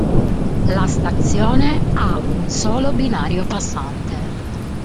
La stazione ha un solo binario passante.